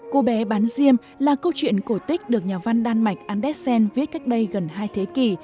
cô bé bán diêm là câu chuyện cổ tích được nhà văn đan mạch andesn viết cách đây gần hai thế kỷ